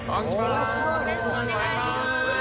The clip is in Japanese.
よろしくお願いします。